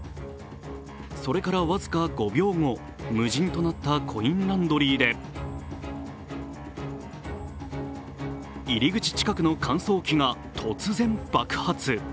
それから僅か５秒後、無人となったコインランドリーで入り口近くの乾燥機が突然爆発。